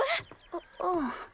ううん。